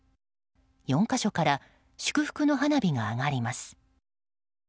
４か所から祝福の花火が上がります。